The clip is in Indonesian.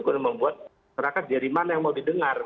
kena membuat serakat dari mana yang mau didengar